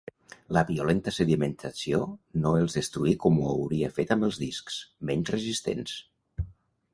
La violenta sedimentació no els destruí com ho hauria fet amb els discs, menys resistents.